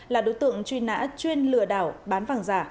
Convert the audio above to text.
là đối tượng truy nã chuyên lừa đảo bán vàng giả